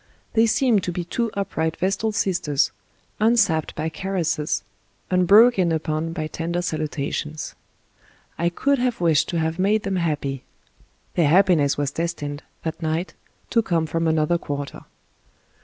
They seemed to be two upright vestal sisters, unsapped by caresses, unbroke in upon by tender salutations. I could have wished to have made them happy. Their happiness was destined, that night, to come from another quarter.